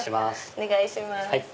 お願いします。